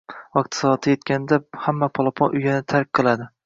Vaqti-soati yetganida hamma polapon uyani tark qiladi.